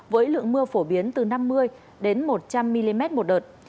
với lượng mưa phổ biến từ năm mươi đến một trăm linh mm một đợt